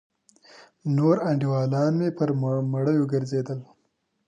نور انډيوالان مې پر مړيو گرځېدل.